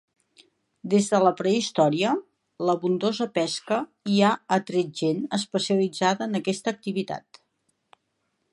Des de la prehistòria, l'abundosa pesca hi ha atret gent especialitzada en aquesta activitat.